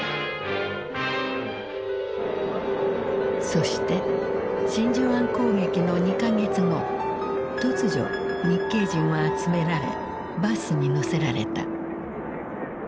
そして真珠湾攻撃の２か月後突如日系人は集められバスに乗せられた。